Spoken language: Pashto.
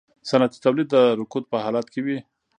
صنعتي تولید د رکود په حالت کې وي